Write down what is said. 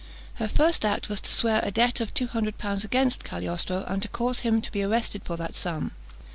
Her first act was to swear a debt of two hundred pounds against Cagliostro, and to cause him to be arrested for that sum.